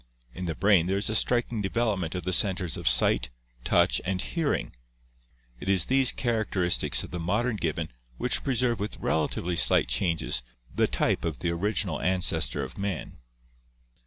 In the brain there is a striking development of the centers of sight, touch, and hearing [see diagram, Fig. 241]. It is these characteristics of the modern gibbon which preserve with relatively slight changes the type of the original ancestor of man."